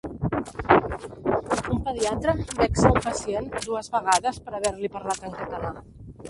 Un pediatra vexa un pacient dues vegades per haver-li parlat en català.